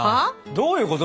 どういうこと？